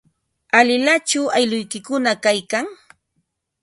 ¿Alilachu aylluykikuna kaykan?